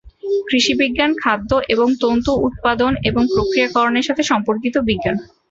কৃষি বিজ্ঞান, খাদ্য এবং তন্তু উৎপাদন এবং প্রক্রিয়াকরণের সাথে সম্পর্কিত বিজ্ঞান।